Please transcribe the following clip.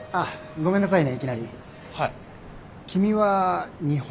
ごめんなさいね。